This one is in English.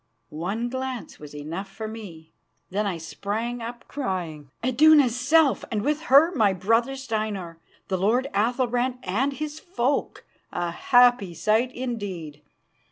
One glance was enough for me. Then I sprang up, crying: "Iduna's self, and with her my brother Steinar, the lord Athalbrand and his folk. A happy sight indeed!"